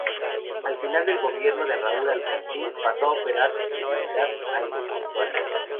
A fines del gobierno de Raúl Alfonsín pasó a operar seguridad aeroportuaria.